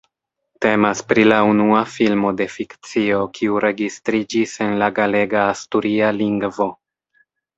Temas pri la unua filmo de fikcio kiu registriĝis en la galega-asturia lingvo.